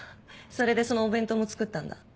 それでそのお弁当も作ったんだ。